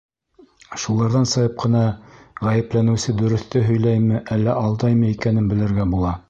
Шуларҙан сығып ҡына ғәйепләнеүсе дөрөҫтө һөйләйме, әллә алдаймы икәнен белергә була.